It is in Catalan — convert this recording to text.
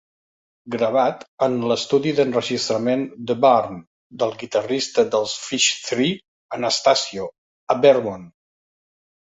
Gravat en l'estudi d'enregistrament The Barn, del guitarrista dels Phish Trey Anastasio, a Vermont.